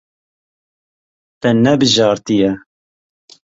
Te nebijartiye.